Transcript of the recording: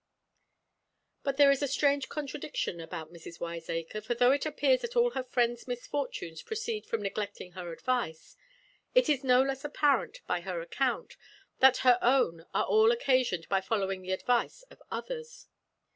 "But there is a strange contradiction about Mrs. Wiseacre, for though it appears that all her friends' misfortunes proceed from neglecting her advice, it is no less apparent, by her account, that her own are all occasioned by following the advice of others.